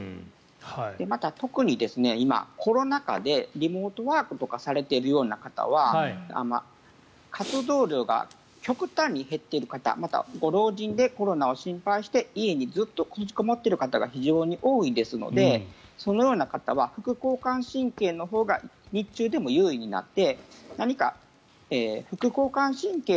また特に、今コロナ禍でリモートワークとかされているような方は活動量が極端に減っている方また、ご老人でコロナを心配して家にずっと閉じこもっている方が非常に多いですのでそのような方は副交感神経のほうが日中でも優位になって何か副交感神経